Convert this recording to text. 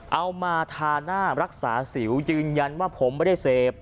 เอามาทาหน้ารักษาสิวยืนยันว่าผมไม่ได้เสพ